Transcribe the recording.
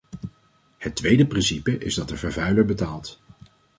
Het tweede principe is dat de vervuiler betaalt.